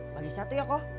bagi satu ya ko